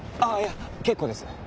ああいや結構です。